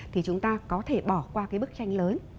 thì chúng ta có thể bỏ qua cái bức tranh lớn